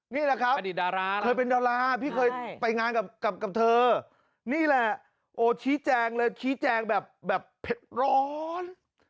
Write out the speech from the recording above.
นี่แหละครับเคยเป็นดาราพี่เคยไปงานกับเธอนี่แหละโอ้ชี้แจงเลยชี้แจงแบบเผ็ดร้อน